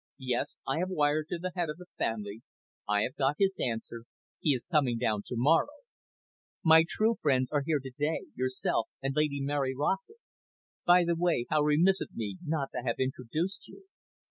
"Yes, I have wired to the Head of the Family. I have got his answer. He is coming down to morrow. My true friends are here to day, yourself, and Lady Mary Rossett. By the way, how remiss of me not to have introduced you."